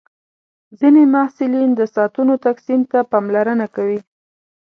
ځینې محصلین د ساعتونو تقسیم ته پاملرنه کوي.